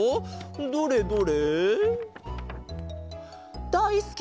どれどれ？